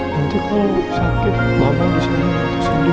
nanti kalau sakit mama bisa bantu sendiri